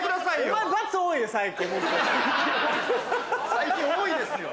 最近多いですよ。